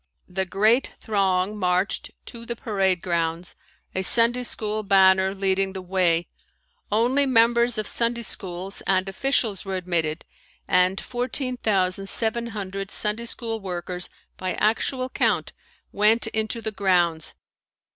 The great throng marched to the parade grounds, a Sunday school banner leading the way. Only members of Sunday schools and officials were admitted and fourteen thousand seven hundred Sunday school workers, by actual count, went into the grounds.